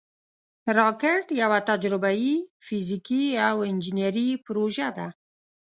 راکټ یوه تجربهاي، فزیکي او انجینري پروژه ده